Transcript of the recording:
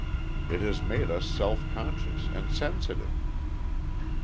It has made us self conscious and sensitive."